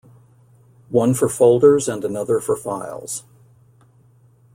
One for folders, and another for files.